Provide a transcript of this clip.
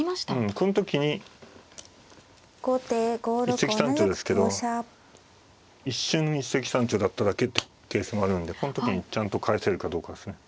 一石三鳥ですけど一瞬一石三鳥だっただけってケースもあるのでこの時にちゃんと返せるかどうかですね。